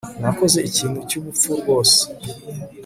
Nakoze ikintu cyubupfu rwose